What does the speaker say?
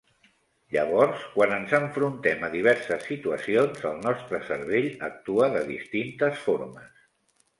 Llavors quan ens enfrontem a diverses situacions el nostre cervell actua de distintes formes.